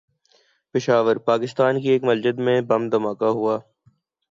پشاور، پاکستان کی ایک مسجد میں بم دھماکہ ہوا